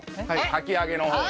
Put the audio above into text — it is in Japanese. かき揚げの方に。